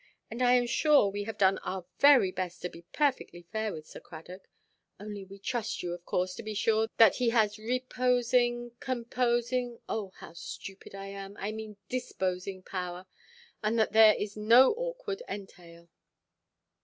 And, I am sure, we have done our very best to be perfectly fair with Sir Cradock. Only we trust you, of course, to be sure that he has reposing, composing—oh, how stupid I am! I mean disposing power; that there is no awkward entail."